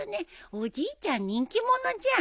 おじいちゃん人気者じゃん。